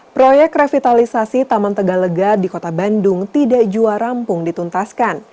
proyek revitalisasi taman tegalega di kota bandung tidak jua rampung dituntaskan